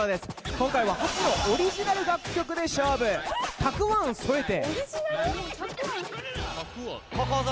今回は初のオリジナル楽曲で勝負「たくあん添えて」